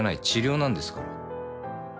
治療なんですから。